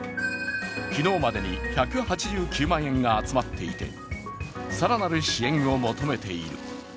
昨日までに１８９万円が集まっていて更なる支援を求めている。